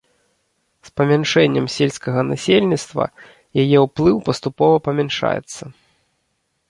З памяншэннем сельскага насельніцтва яе ўплыў паступова памяншаецца.